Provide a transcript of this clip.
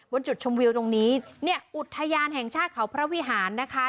จุดชมวิวตรงนี้เนี่ยอุทยานแห่งชาติเขาพระวิหารนะคะ